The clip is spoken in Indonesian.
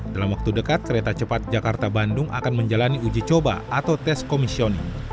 dalam waktu dekat kereta cepat jakarta bandung akan menjalani uji coba atau tes komisioning